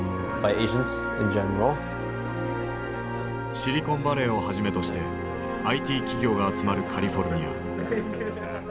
シリコンバレーをはじめとしてＩＴ企業が集まるカリフォルニア。